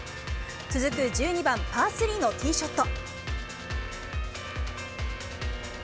続く１２番パー３のティーショット。